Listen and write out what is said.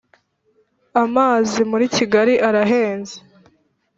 amazi muri kigari arahenze